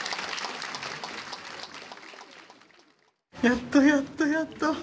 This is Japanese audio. やっとやっとやっと。